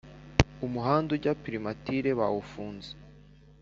Umuhanda ujya primatire bawufunze